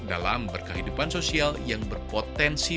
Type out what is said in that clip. dalam berkehidupan sosial yang berpotensi